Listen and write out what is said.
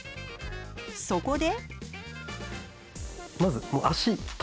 そこで。